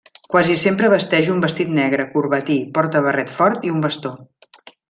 Quasi sempre vesteix un vestit negre, corbatí, porta barret fort i un bastó.